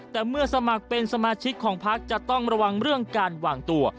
แต่เมื่อสมัครเป็นสมาชิกของพักจะต้องระวังเรื่องการวางตัว